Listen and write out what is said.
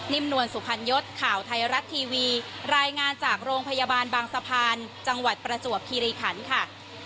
นวลสุพรรณยศข่าวไทยรัฐทีวีรายงานจากโรงพยาบาลบางสะพานจังหวัดประจวบคีรีขันค่ะ